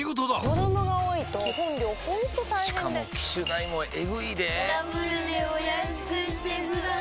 子供が多いと基本料ほんと大変でしかも機種代もエグいでぇダブルでお安くしてください